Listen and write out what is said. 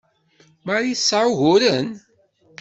Marie tesɛa uguren?